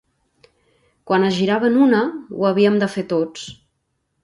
Quan es giraven una, ho havíem de fer tots.